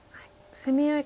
攻め合い